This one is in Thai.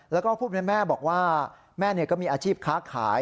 แล้วก็ผู้เป็นแม่บอกว่าแม่ก็มีอาชีพค้าขาย